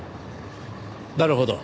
なるほど。